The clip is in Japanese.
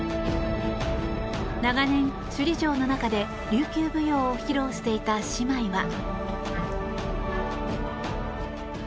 長年、首里城の中で琉球舞踊を披露していた姉妹は。